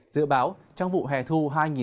dự báo trong vụ hè thu hai nghìn hai mươi